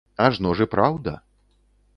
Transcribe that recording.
Ажно ж і праўда.